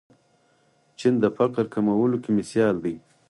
چین د فقر کمولو کې مثال دی.